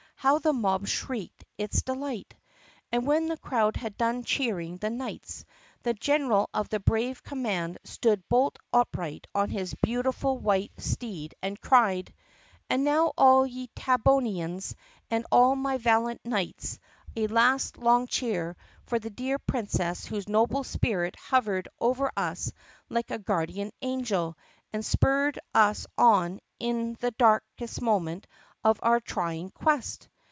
How the mob shrieked its delight! THE PUSSYCAT PRINCESS 9i And when the crowd had done cheering the knights, the general of that brave command stood bolt upright on his beau tiful white steed and cried, "And now all ye Tabbonians and all my valiant knights, a last long cheer for the dear Princess whose noble spirit hovered over us like a guardian angel and spurred us on in the darkest moment of our trying quest!"